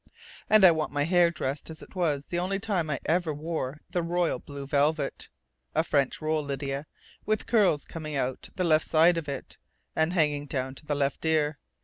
And I want my hair dressed as it was the only time I ever wore the royal blue velvet. A French roll, Lydia, with little curls coming out the left side of it and hanging down to the left ear.